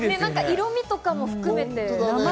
色みとかも含めて。